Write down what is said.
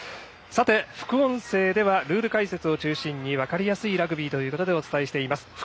副音声ではルール解説を中心に分かりやすいラグビーということでお伝えしています。